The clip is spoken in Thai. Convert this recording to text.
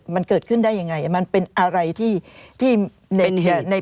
มันเกิดขึ้นได้ยังไงมันเป็นอะไรที่